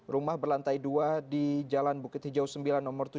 rumah berlantai dua di jalan bukit hijau sembilan nomor tujuh